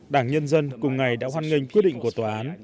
đảng nhân dân cùng ngày đã hoan nghênh quyết định của tòa án